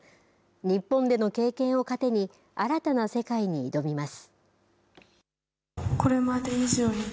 日本での経験を糧に、新たな世界に挑みます。